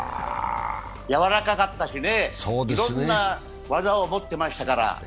柔らかかったしね、いろんな技を持ってましたから。